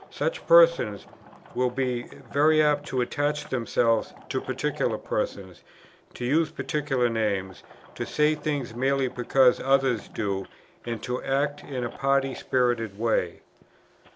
Such persons will be very apt to attach themselves to particular persons, to use particular names, to say things merely because others do, and to act in a party spirited way."